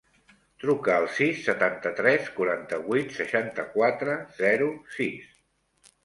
Truca al sis, setanta-tres, quaranta-vuit, seixanta-quatre, zero, sis.